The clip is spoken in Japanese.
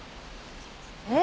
えっ？